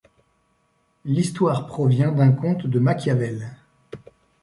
L'histoire provient d'un conte de Machiavel.